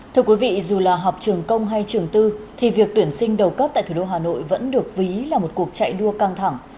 thưa quý vị dù là học trường công hay trường tư thì việc tuyển sinh đầu cấp tại thủ đô hà nội vẫn được ví là một cuộc chạy đua căng thẳng